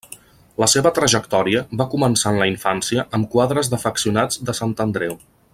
La seva trajectòria va començar en la infància amb quadres d'afeccionats de Sant Andreu.